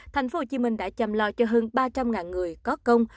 thành phố hồ chí minh đã chăm lo cho hơn ba trăm linh người có công